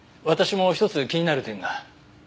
私も１つ気になる点が。